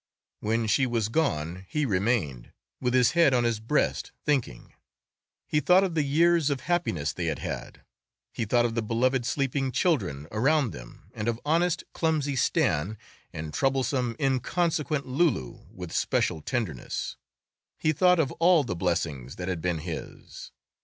When she was gone he remained with his head on his breast thinking. He thought of the years of happiness they had had; he thought of the beloved sleeping children around them and of honest, clumsy Stan, and troublesome, inconsequent Loulou with special tenderness; he thought of all the blessings that had been his.